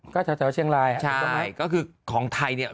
ก็แถวเชียงรายครับก็คือของไทยเนี่ย